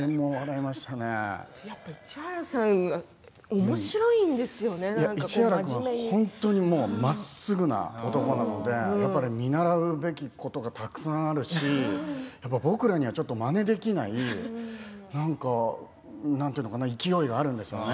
また市原さん市原君は本当にまっすぐな男なので、見習うべきことがたくさんあるし僕らにはちょっとまねできない何て言うのかな勢いがあるんですよね。